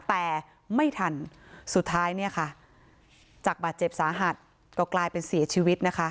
แต่ไม่ทันสุดท้ายเนี่ยค่ะจากบาดเจ็บสาหัสก็กลายเป็นเสียชีวิตนะคะ